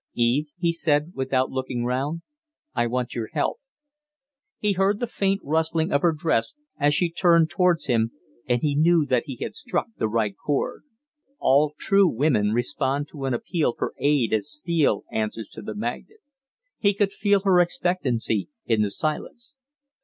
"Eve," he said, without looking round, "I want your help." He heard the faint rustling of her dress as she turned towards him, and he knew that he had struck the right chord. All true women respond to an appeal for aid as steel answers to the magnet. He could feel her expectancy in the silence.